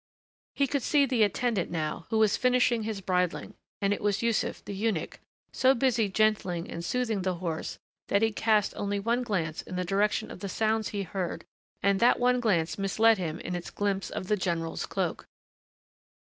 He could see the attendant now, who was finishing his bridling, and it was Yussuf, the eunuch, so busy gentling and soothing the horse that he cast only one glance in the direction of the sounds he heard and that one glance misled him in its glimpse of the general's cloak.